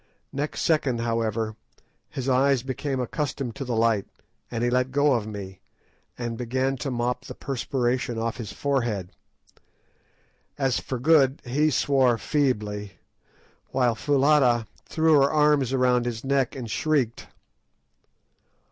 Next second, however, his eyes became accustomed to the light, and he let go of me, and began to mop the perspiration off his forehead. As for Good, he swore feebly, while Foulata threw her arms round his neck and shrieked.